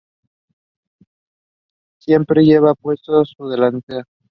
Siempre lleva puesto su delantal.